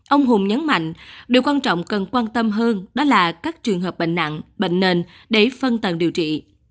ông hùng nhấn mạnh điều quan trọng cần quan tâm hơn đó là các trường hợp bệnh nặng bệnh nền để phân tầng điều trị